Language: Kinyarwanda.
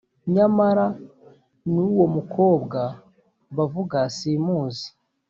nyamara n uwo mukobwa bavuga simuzi